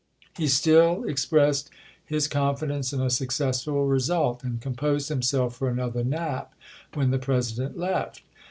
He still expressed his confidence in a successful result, and composed himself for another nap when the President left.